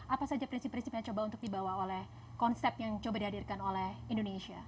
apa saja prinsip prinsip yang coba untuk dibawa oleh konsep yang coba dihadirkan oleh indonesia